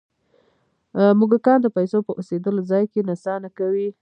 موږکان د پیسو په اوسېدلو ځای کې نڅا نه کوي.